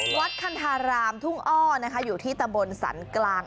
วัดคันธารามทุ่งอ้อนะคะอยู่ที่ตำบลสันกลาง